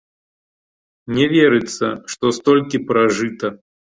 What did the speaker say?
Не верыцца, што столькі пражыта.